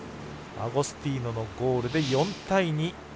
アゴスティーノのゴールで４対２。